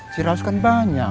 ciraus kan banyak